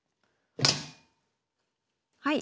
はい。